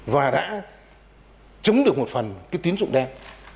và đã chống được một phần cái tín dụng đen